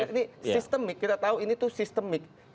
ini sistemik kita tahu ini tuh sistemik